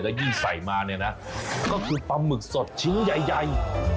ยิ่งใส่มาเนี่ยนะก็คือปลาหมึกสดชิ้นใหญ่